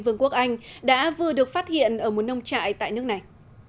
vương quốc anh đã vừa được phát hiện ở một nông trại tại nước này